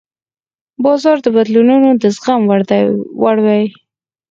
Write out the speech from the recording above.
بازار د بدلونونو د زغم وړ وي.